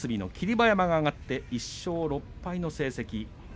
馬山が上がって１勝６敗の成績。